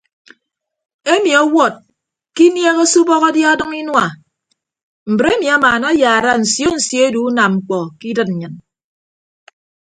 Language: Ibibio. Emi ọwọd ke inieeghe se ubọk adia adʌñ inua mbre emi amaana ayaara nsio nsio edu unam mkpọ ke idịd nnyịn.